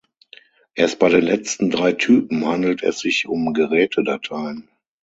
Erst bei den letzten drei Typen handelt es sich um Gerätedateien.